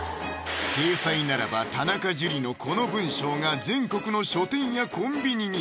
掲載ならば田中樹のこの文章が全国の書店やコンビニに！